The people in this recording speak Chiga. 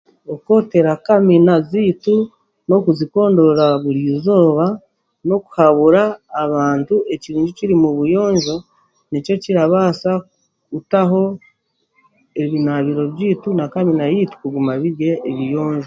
Okwotera kamina zaitu, n'okuzikondoora burizooba, n'okuhabura bantu ekirungi ekiri mu buyonjo, nikyo kirabaasa kutaho ebinaabiro byaitu na kamina yaitu kuguma biri ebiyonjo.